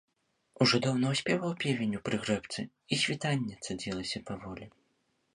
Ужо даўно спяваў певень у прыгрэбцы, і світанне цадзілася паволі.